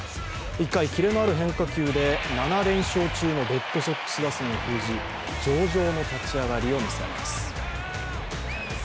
１回、キレのある変化球で７連勝中のレッドソックス打線を封じ、上々の立ち上がりを見せます。